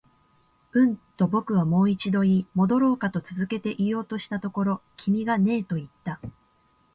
うん、と僕はもう一度言い、戻ろうかと続けて言おうとしたところ、君がねえと言った